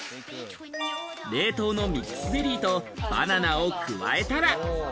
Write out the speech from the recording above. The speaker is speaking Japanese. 冷凍のミックスベリーとバナナを加えたら。